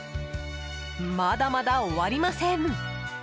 まだまだ終わりません。